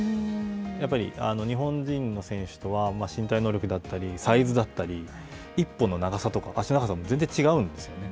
やっぱり日本人の選手とは身体能力だったり、サイズだったり、１歩の長さとか、脚の長さも全然違うんですよね。